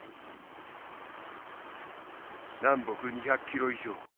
南北２００ｋｍ以上。